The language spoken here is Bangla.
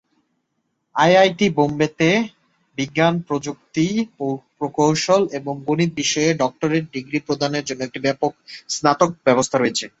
আইআইটি বোম্বেতে বিজ্ঞান, প্রযুক্তি, প্রকৌশল এবং গণিত বিষয়ে ডক্টরেট ডিগ্রী প্রদানের জন্য একটি ব্যাপক স্নাতক ব্যবস্থা রয়েছে।